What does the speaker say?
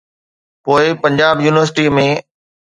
پوءِ پنجاب يونيورسٽي ۾.